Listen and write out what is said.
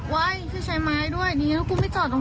เว้ยคือใช้ไม้ด้วยนี่กูไม่จอดลงแล้วน่ะ